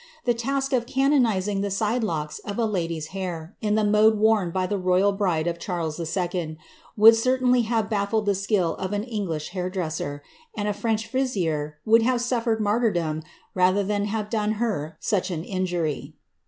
The task of izing the side locks of a lady^s hair, in the mode worn by the Hide of Charles IL, would certainly have baffled the skill of an I hairdresser, and a French frizzeur would have sufiered martyr ther than have done her such an injury.